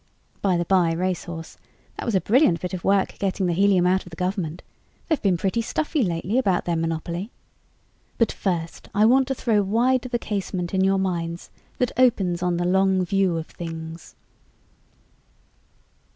"By the by, Racehorse, that was a brilliant piece of work getting the helium out of the government they've been pretty stuffy lately about their monopoly. But first I want to throw wide the casement in your minds that opens on the Long View of Things."